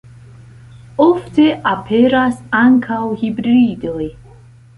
Ofte aperas ankaŭ hibridoj.